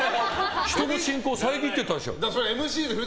人の進行遮ってたでしょ。